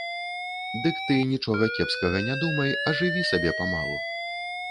Дык ты нічога кепскага не думай, а жыві сабе памалу.